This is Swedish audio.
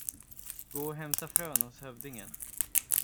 Gå och hämta frön hos hövdingen.